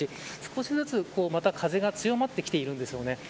少しずつ、また風が強まってきているんです。